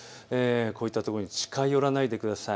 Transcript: こういった所に近寄らないでください。